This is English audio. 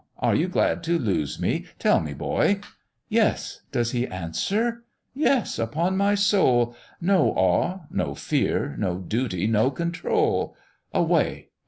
are you glad to lose me? tell me, boy: Yes! does he answer? Yes! upon my soul; No awe, no fear, no duty, no control! Away!